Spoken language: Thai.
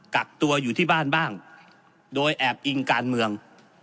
กักตัวอยู่ที่บ้านบ้างโดยแอบอิงการเมือง